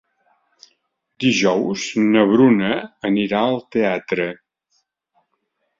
Dijous na Bruna anirà al teatre.